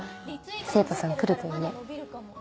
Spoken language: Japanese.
生徒さん来るといいね。